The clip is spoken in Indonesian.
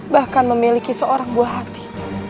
bahkan memiliki seorang buah hati